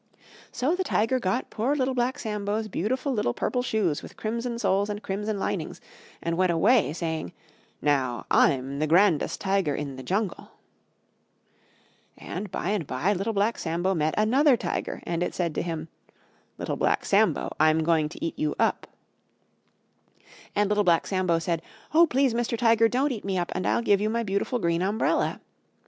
So the Tiger got poor Little Black Sambo's beautiful little Purple Shoes with Crimson Soles and Crimson Linings, and went away saying, "Now I'm the grandest Tiger in the Jungle." And by and by Little Black Sambo met another Tiger, and it said to him, "Little Black Sambo, I'm going to eat you up!" And Little Black Sambo said, "Oh! Please, Mr. Tiger, don't eat me up and I'll give you my beautiful Green Umbrella."